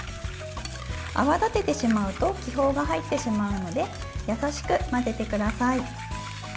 泡立ててしまうと気泡が入ってしまうので優しく混ぜてください。